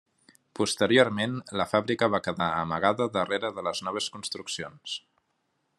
Posteriorment la fàbrica va quedar amagada darrere de les noves construccions.